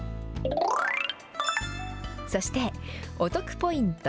そして、お得ポイント